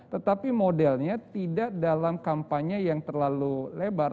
tetapi modelnya tidak dalam kampanye yang terlalu lebar